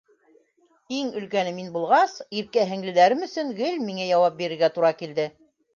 Иң өлкәне мин булғас, иркә һеңлеләрем өсөн гел миңә яуап бирергә тура килде.